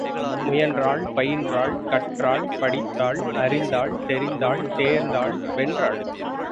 முயன்றாள், பயின்றாள், கற்றாள், படித்தாள், அறிந்தாள், தெரிந்தாள், தேர்ந்தாள், வென்றாள்.